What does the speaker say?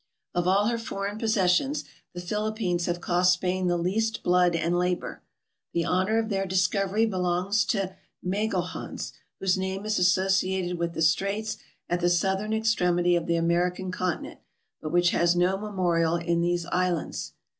Of all her foreign possessions, the Philippines have cost Spain the least blood and labor. The honor of their discov ery belongs to Magalhaens, whose name is associated with the straits at the southern extremity of the American con tinent, but which has no memorial in these islands.